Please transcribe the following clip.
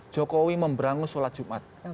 jokowi memberangu sholat jumat